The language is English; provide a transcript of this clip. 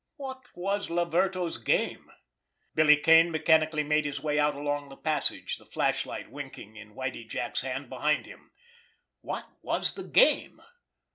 What was Laverto's game? Billy Kane mechanically made his way out along the passage, the flashlight winking in Whitie Jack's hand behind him. What was the game?